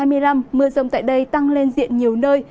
mưa rông tại đây tăng lên diện nhiều nơi